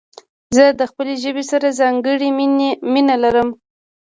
زه د خپلي ژبي سره ځانګړي مينه لرم.